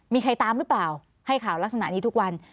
มีใครตามหรือเปล่าให้ข่าวลักษณะนี้ทุกวัน